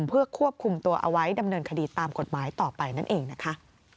เพื่อควบคุมตัวเอาไว้ดำเนินคดีตามกฎหมายต่อไปนั่นเองนะคะ